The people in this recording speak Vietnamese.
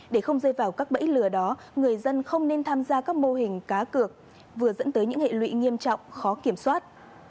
để không rơi vào các bẫy lừa đó người dân không nên tham gia các mô hình cá cược vừa dẫn tới những hệ lụy nghiêm trọng khó kiểm soát